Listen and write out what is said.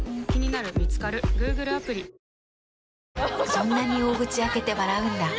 そんなに大口開けて笑うんだ。